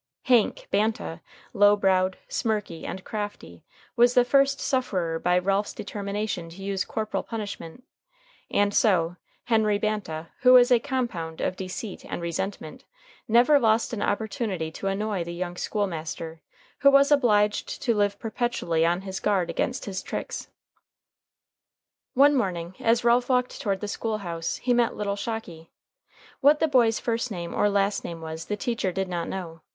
"Hank" Banta, low browed, smirky, and crafty, was the first sufferer by Ralph's determination to use corporal punishment, and so Henry Banta, who was a compound of deceit and resentment, never lost an opportunity to annoy the young school master, who was obliged to live perpetually on his guard against his tricks. One morning, as Ralph walked toward the school house, he met little Shocky. What the boy's first name or last name was the teacher did not know.